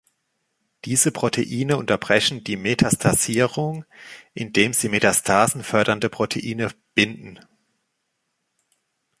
Diese Proteine unterbrechen die Metastasierung, indem sie Metastasen fördernde Proteine binden.